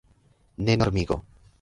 Ne normigo.